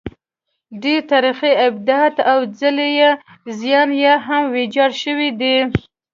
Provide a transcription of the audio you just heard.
ډېری تاریخي ابدات او څلي یې زیان یا هم ویجاړ شوي دي